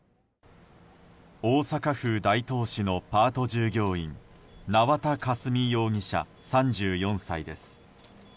大阪府大東市のパート従業員縄田佳純容疑者、３４歳です。